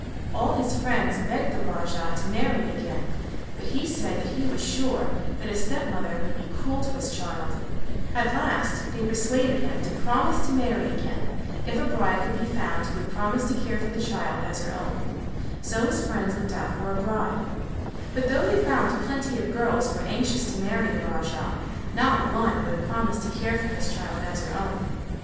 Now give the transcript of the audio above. All his friends begged the Raja to marry again, but he said that he was sure that a stepmother would be cruel to his child; at last they persuaded him to promise to marry again, if a bride could be found who would promise to care for the child as her own, so his friends looked out for a bride; but though they found plenty of girls who were anxious to marry the Raja, not one would promise to care for his child as her own.